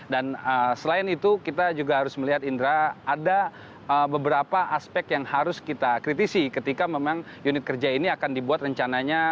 dan selain itu kita juga harus melihat indra ada beberapa aspek yang harus kita kritisi ketika memang unit kerja ini akan dibuat rencananya